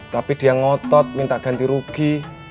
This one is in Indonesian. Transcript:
tapi dia ngotot minta ganti rugi